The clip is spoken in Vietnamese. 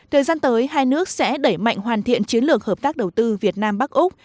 thời gian tới hai nước sẽ đẩy mạnh hoàn thiện chiến lược hợp tác đầu tư việt nam bắc úc